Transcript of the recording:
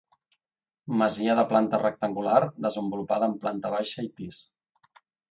Masia de planta rectangular desenvolupada en planta baixa i pis.